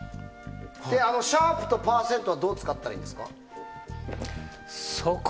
シャープと％はどう使ったらいいんですか？